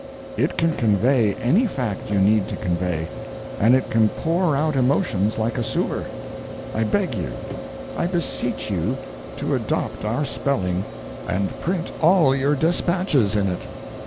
It can convey any fact you need to convey; and it can pour out emotions like a sewer. I beg you, I beseech you, to adopt our spelling, and print all your despatches in it.